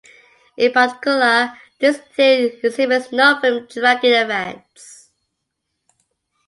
In particular, this theory exhibits no frame-dragging effects.